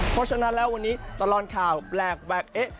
เพราะฉะนั้นแล้ววันนี้ตลอดข่าวแปลกแวกเอ๊ะ